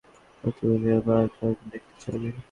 ওহ, তুমি দেখতে পাওনি কারণ তুমি দেখতেই চাওনি।